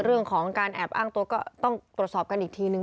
เรื่องของการแอบอ้างตัวก็ต้องตรวจสอบกันอีกทีนึง